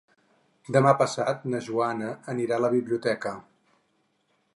Demà passat na Joana anirà a la biblioteca.